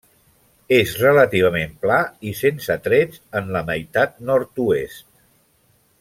És relativament pla i sense trets en la meitat nord-oest.